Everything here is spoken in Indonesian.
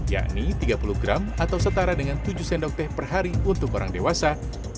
yakni tiga puluh gram atau setara dengan tujuh sendok teh per hari untuk orang dewasa